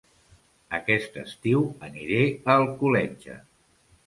Aquest estiu aniré a Alcoletge